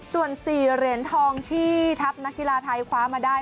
ส่วน๔เหรียญทองที่ทัพนักกีฬาไทยคว้ามาได้